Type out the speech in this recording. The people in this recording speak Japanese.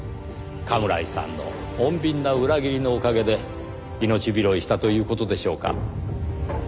甘村井さんの穏便な裏切りのおかげで命拾いしたという事でしょうか。